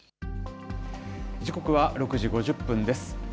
時刻は６時５０分です。